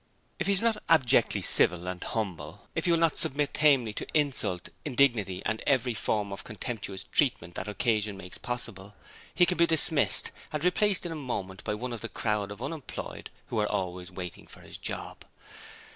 If he is not abjectly civil and humble, if he will not submit tamely to insult, indignity, and every form of contemptuous treatment that occasion makes possible, he can be dismissed, and replaced in a moment by one of the crowd of unemployed who are always waiting for his job.